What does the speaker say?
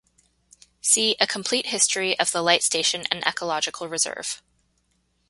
See A complete history of the Light Station and Ecological Reserve.